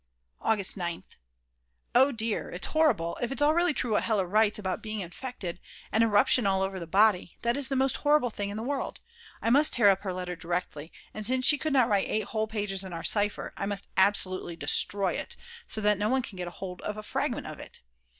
August 9th. Oh dear, it's horrible if it's all really true what Hella writes about being infected; an eruption all over the body, that is the most horrible thing in the world. I must tear up her letter directly, and since she could not write 8 whole pages in our cipher, I must absolutely destroy it, so that no one can get hold of a fragment of it.